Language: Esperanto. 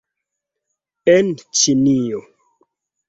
- En Ĉinio